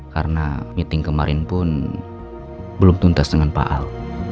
karena meeting kemarin pun belum tuntas dengan pak al